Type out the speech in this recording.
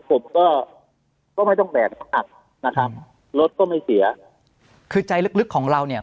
ผมก็ก็ไม่ต้องแบกมากนะครับรถก็ไม่เสียคือใจลึกของเราเนี่ย